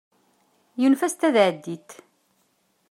Yunef-asent ad ɛeddint.